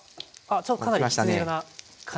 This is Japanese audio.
ちょっとかなりきつね色な感じに。